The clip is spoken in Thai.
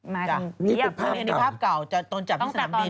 มีภาพเก่าตอนจำที่สนามบิน